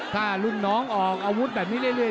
ถ้ารุ่นน้องออกอาวุธแบบนี้เรื่อย